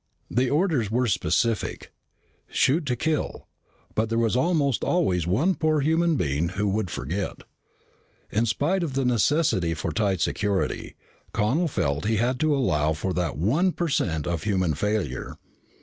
The orders were specific: shoot to kill, but there was almost always one poor human being who would forget. In spite of the necessity for tight security, Connel felt he had to allow for that one percent of human failure.